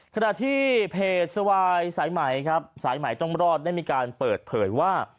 ขณะที่เพจสวายสายไหมครับสายใหม่ต้องรอดได้มีการเปิดเผยว่า